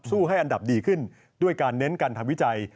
ให้อันดับดีขึ้นด้วยการเน้นการทำวิจัย